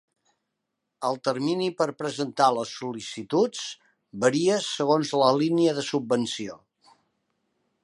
El termini per presentar les sol·licituds varia segons la línia de subvenció.